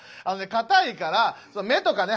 かたいから目とかね